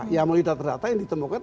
ya melalui data data yang ditemukan